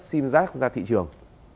cung cấp sim giác ra thị trường